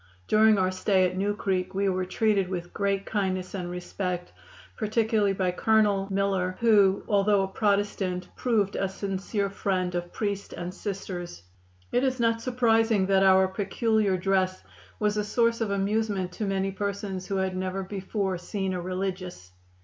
During our stay at New Creek we were treated with great kindness and respect, particularly by Colonel Miller, who, although a Protestant, proved a sincere friend of priest and Sisters. "It is not surprising that our peculiar dress was a source of amusement to many persons who had never before seen a religious.